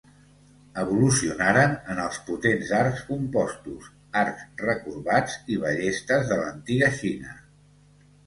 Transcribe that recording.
Evolucionaren en els potents arcs compostos, arcs recorbats i ballestes de l'antiga Xina.